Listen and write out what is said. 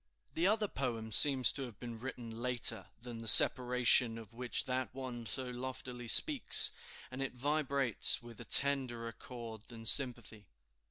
The other poem seems to have been written later than the separation of which that one so loftily speaks; and it vibrates with a tenderer chord than sympathy.